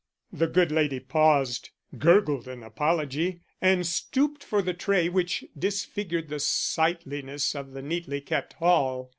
The good lady paused, gurgled an apology, and stooped for the tray which disfigured the sightliness of the neatly kept hall.